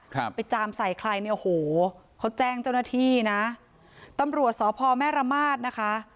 ครับไปจามใส่ใครเนี่ยโอ้โหเขาแจ้งเจ้าหน้าที่นะตำรวจสพแม่ระมาทนะคะ